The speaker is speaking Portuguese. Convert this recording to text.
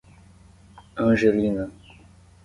Angelina